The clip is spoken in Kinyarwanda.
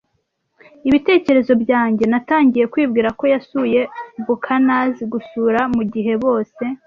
ibitekerezo byanjye. Natangiye kwibwira ko yasuye buccaneers gusura mugihe bose